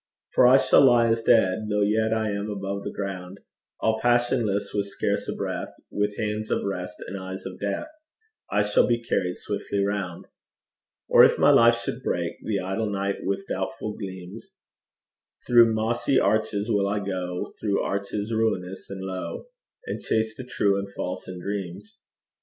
For I shall lie as dead, Though yet I am above the ground; All passionless, with scarce a breath, With hands of rest and eyes of death, I shall be carried swiftly round. Or if my life should break The idle night with doubtful gleams Through mossy arches will I go, Through arches ruinous and low, And chase the true and false in dreams.